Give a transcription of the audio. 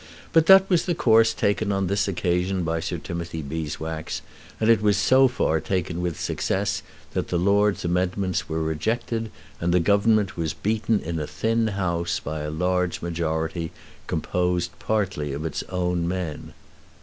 But that was the course taken on this occasion by Sir Timothy Beeswax, and was so far taken with success that the Lords' amendments were rejected and the Government was beaten in a thin House, by a large majority, composed partly of its own men.